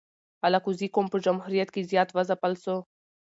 الکوزي قوم په جمهوریت کی زیات و ځپل سو